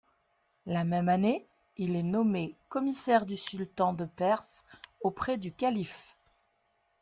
La même année, il est nommé commissaire du sultan de Perse auprès du calife.